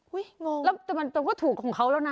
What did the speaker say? อุ้ยงงแต่มันก็ถูกของเขาแล้วนะ